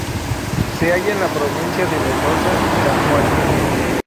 Se halla en las provincias de Mendoza y San Juan.